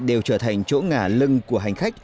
đều trở thành chỗ ngả lưng của hành khách